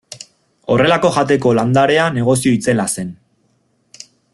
Horrelako jateko landarea negozio itzela zen.